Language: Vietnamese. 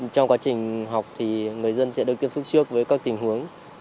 trong quá trình học thì người dân sẽ được tiếp xúc trước với các tình huống